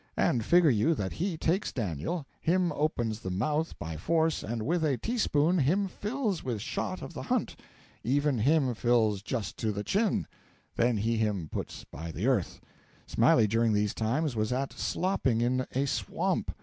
And figure you that he takes Daniel, him opens the mouth by force and with a teaspoon him fills with shot of the hunt, even him fills just to the chin, then he him puts by the earth. Smiley during these times was at slopping in a swamp.